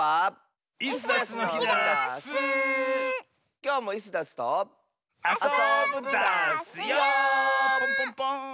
ポンポンポーン！